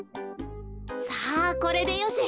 さあこれでよし。